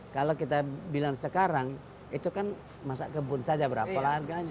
kalau kita bilang sekarang itu kan masak kebun saja berapa lah harganya